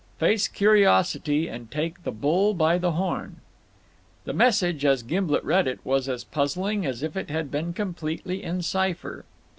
Face curiosity and take the bull by the horn." The message, as Gimblet read it, was as puzzling as if it had been completely in cipher.